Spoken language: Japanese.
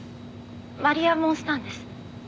「マリア・モースタンです」